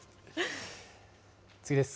次です。